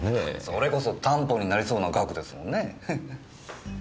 それこそ担保になりそうな額ですもんねぇ。